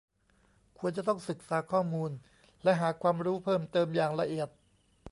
ควรจะต้องศึกษาข้อมูลและหาความรู้เพิ่มเติมอย่างละเอียด